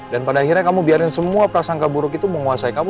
dan pada akhirnya kamu biarin semua prasangka buruk itu menguasai kamu